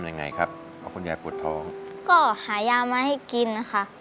ยังไงครับเพราะคุณยายปวดท้องก็หายามาให้กินนะคะ